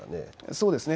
そうですね。